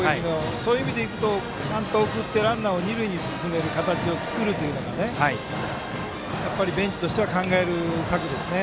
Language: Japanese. そういう意味でいうとちゃんと送って二塁に進める形を作るというのがやっぱりベンチとしては考える策ですね。